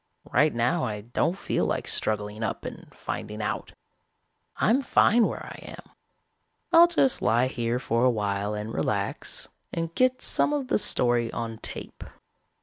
Right now I don't feel like struggling up and finding out. I'm fine where I am. I'll just lie here for a while and relax, and get some of the story on tape.